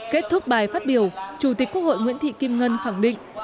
kết thúc bài phát biểu chủ tịch quốc hội nguyễn thị kim ngân khẳng định